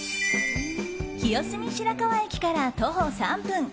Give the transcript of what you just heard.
清澄白河駅から徒歩３分。